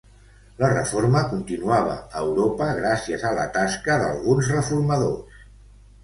La Reforma continuava a Europa gràcies a la tasca d'alguns reformadors.